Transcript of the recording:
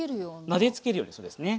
なでつけるようにそうですね。